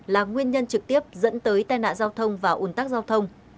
là nguyên nhân trực tiếp dẫn tới tai nạn giao thông và ủn tắc giao thông